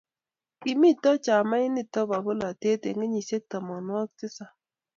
kimito chamait nito nebo bolatet eng' kenyisiek tamanwokik tisap